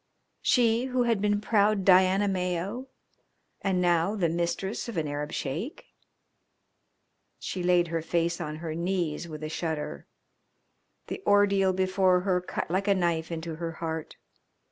She who had been proud Diana Mayo and now the mistress of an Arab Sheik? She laid her face on her knees with a shudder. The ordeal before her cut like a knife into her heart.